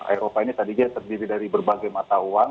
eropa ini tadi saja terdiri dari berbagai mata uang